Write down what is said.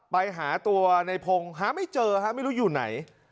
ไปหาตัวในพงศ์หาไม่เจอฮะไม่รู้อยู่ไหน